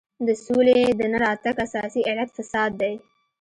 د سولې د نه راتګ اساسي علت فساد دی.